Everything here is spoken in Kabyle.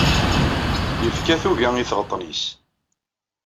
Yefka tuga i tɣeṭṭen-is.